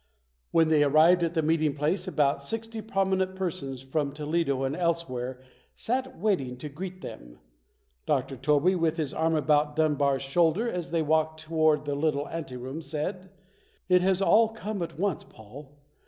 When they arrived at the meeting place about sixty prominent persons from Toledo and elsewhere 54 ] UNSUNG HEROES sat waiting to greet them. Dr. Tobey, with his arm about Dunbar's shoulder as they walked to wards a little ante room said, "It has all come at once, Paul.